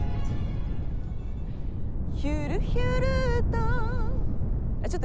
「ヒュルヒュルと」